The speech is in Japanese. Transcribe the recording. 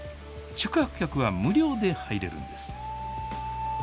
宿泊客は無料で入れるんです。